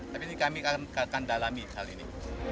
tapi ini kami akan dalami hal ini